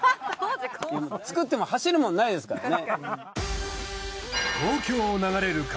作っても走るもんないですからね。